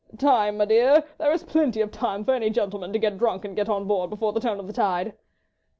"Time, m'dear? There is plenty of time for any gentleman to get drunk and get on board before the turn of the tide."